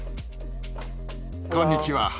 こんにちは。